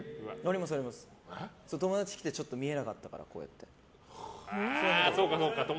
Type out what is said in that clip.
友達来て、見えなかったからこうやって。